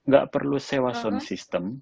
gak perlu sewa sound system